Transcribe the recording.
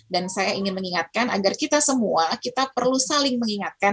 dan saya ingin mengingatkan agar kita semua kita perlu saling mengingatkan